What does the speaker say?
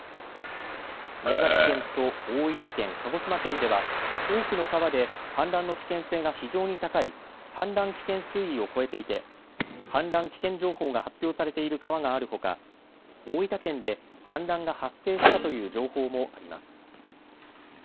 宮崎県と大分県、鹿児島県では多くの川で氾濫の危険性が非常に高い氾濫危険水位を超えていて氾濫危険情報が発表されている川があるほか、大分県で氾濫が発生したという情報もあります。